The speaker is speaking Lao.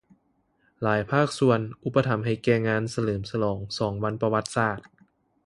ຫຼາຍພາກສ່ວນ ອຸປະຖຳໃຫ້ແກ່ງານສະເຫຼີມສະຫຼອງສອງວັນປະຫວັດສາດ